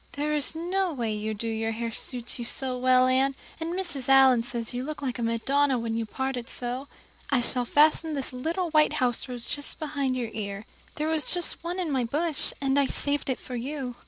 There is no way you do your hair suits you so well, Anne, and Mrs. Allan says you look like a Madonna when you part it so. I shall fasten this little white house rose just behind your ear. There was just one on my bush, and I saved it for you."